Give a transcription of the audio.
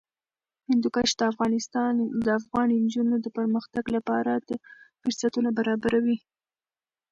هندوکش د افغان نجونو د پرمختګ لپاره فرصتونه برابروي.